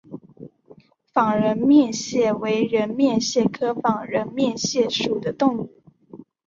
仿人面蟹为人面蟹科仿人面蟹属的动物。